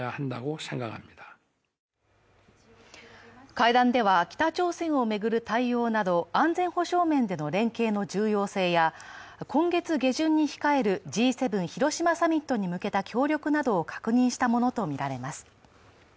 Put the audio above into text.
会談では、北朝鮮を巡る対応など安全保障面での連携の重要性や今月下旬に控えるＧ７広島サミットに向けた協力などを確認したものとみられます。